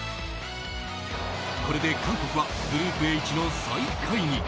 これで韓国はグループＨの最下位に。